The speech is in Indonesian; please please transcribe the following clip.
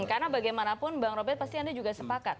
karena bagaimanapun bang robert pasti anda juga sepakat